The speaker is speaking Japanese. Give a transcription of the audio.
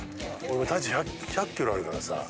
俺体重１００ｋｇあるからさ。